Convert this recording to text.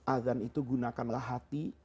azan itu gunakanlah hati